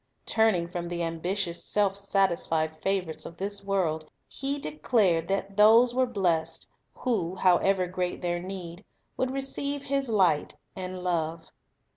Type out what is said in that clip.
Turning from the ambitious, self satisfied favorites of this world, He declared that those were blessed who, however great their need, would receive His light and love.